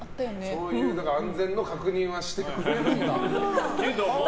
そういう安全の確認はしてくれるんだ。